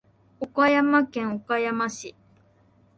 岡山県岡山市